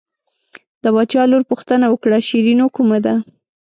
د باچا لور پوښتنه وکړه شیرینو کومه ده.